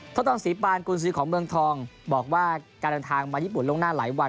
ทศตวรรณศรีปานกุลสีของเมืองทองบอกว่าการทางมาญี่ปุ่นลงหน้าหลายวัน